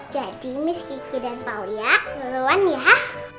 jadi miss kiki dan pak uya duluan ya